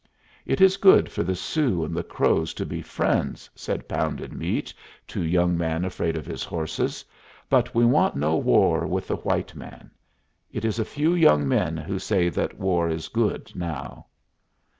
"It is good for the Sioux and the Crows to be friends," said Pounded Meat to Young man afraid of his horses. "But we want no war with the white man. It is a few young men who say that war is good now."